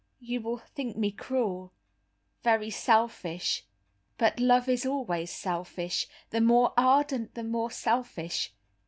You will think me cruel, very selfish, but love is always selfish; the more ardent the more selfish.